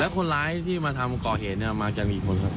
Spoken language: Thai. แล้วคนร้ายที่มาทำก่อเหตุเนี่ยมากยังอีกคนครับ